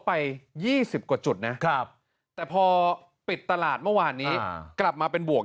ไป๒๐กว่าจุดนะแต่พอปิดตลาดเมื่อวานนี้กลับมาเป็นบวก